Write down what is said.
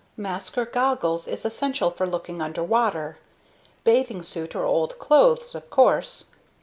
MASK (or goggles) is essential for looking underwater. Bathing suit or old clothes, of course.